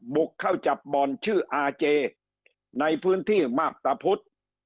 บุกเข้าจับบ่อนชื่ออาเจในพื้นที่มากตะพุทธ